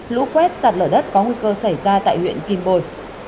lũ quét sạt lở đất có nguy cơ xảy ra tại huyện kim bồi